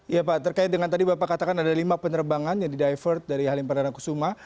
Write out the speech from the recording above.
ya pak terkait dengan tadi bapak katakan ada lima penerbangan yang di divert dari halim perdana kusuma